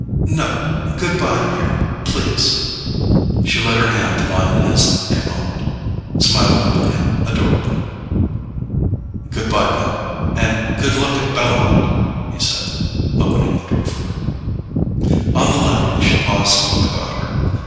"No; good bye here, please." She let her hand lie in his a moment, smiling up at him adorably. "Good bye, then—and good luck at Bellomont!" he said, opening the door for her. On the landing she paused to look about her.